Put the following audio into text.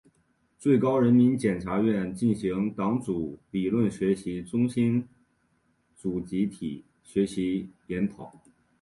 最高人民检察院举行党组理论学习中心组集体学习研讨